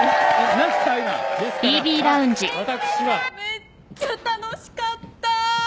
めっちゃ楽しかった！